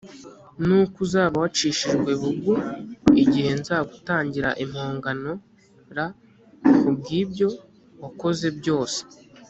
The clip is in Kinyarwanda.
n uko uzaba wacishijwe bugu igihe nzagutangira impongano r ku bw ibyo wakoze byose